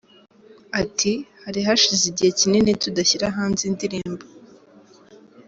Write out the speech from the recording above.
Ati “Hari hashize igihe kinini tudashyira hanze indirimbo.